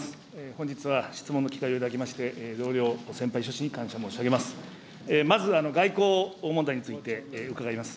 本日は質問の機会をいただきまして、同僚、先輩諸氏に感謝いたします。